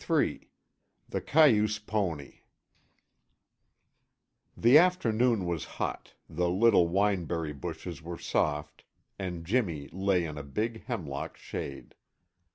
III THE CAYUSE PONY The afternoon was hot, the little wineberry bushes were soft, and Jimmy lay in a big hemlock's shade.